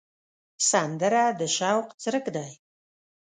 سندره د شوق څرک دی